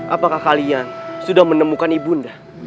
apakah kalian sudah menemukan ibunda